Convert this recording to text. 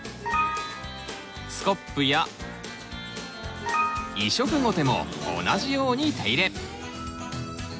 スコップや移植ゴテも同じように手入れ。